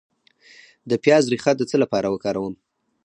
د پیاز ریښه د څه لپاره وکاروم؟